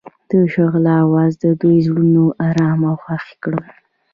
د شعله اواز د دوی زړونه ارامه او خوښ کړل.